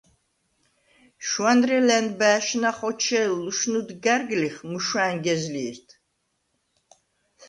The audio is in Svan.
შუ̂ანრე ლა̈ნბა̄̈შნა ხოჩე̄ლ ლუშნუდ გა̈რგლიხ, მუშუ̂ა̈ნ გეზლი̄რდ!